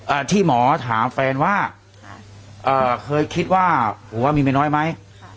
อ่าที่หมอถามแฟนว่าอ่าเคยคิดว่าหัวมีเป็นน้อยไหม